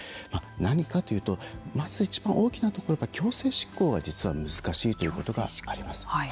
何かというとまず一番大きなところは強制執行が実は難しいということがあります。